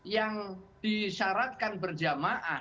yang disyaratkan berjamaah